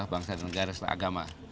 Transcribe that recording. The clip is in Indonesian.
bangsa dan negara setelah agama